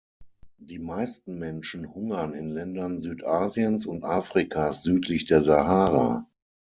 Die meisten Menschen hungern in Ländern Südasiens und Afrikas südlich der Sahara.